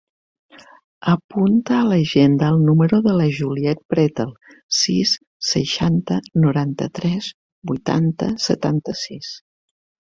Apunta a l'agenda el número de la Juliet Pretel: sis, seixanta, noranta-tres, vuitanta, setanta-sis.